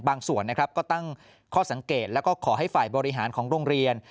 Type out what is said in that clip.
ส่วนนะครับก็ตั้งข้อสังเกตแล้วก็ขอให้ฝ่ายบริหารของโรงเรียน